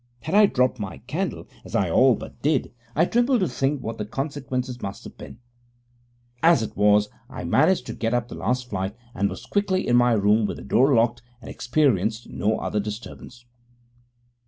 Had I dropped my candle, as I all but did, I tremble to think what the consequences must have been. As it was, I managed to get up the last flight, and was quickly in my room with the door locked, and experienced no other disturbance.